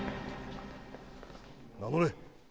名乗れ。